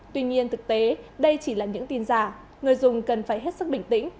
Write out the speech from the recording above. tuy nhiên thực tế đây chỉ là những tin giả người dùng cần phải hết sức bình tĩnh